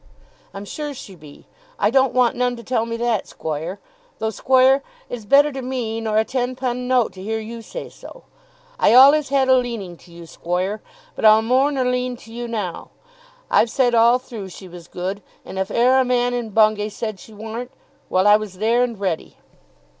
"I'm sure she be. I don't want none to tell me that, squoire. Tho', squoire, it's better to me nor a ten pun' note to hear you say so. I allays had a leaning to you, squoire; but I'll more nor lean to you, now. I've said all through she was good, and if e'er a man in Bungay said she warn't ; well, I was there, and ready."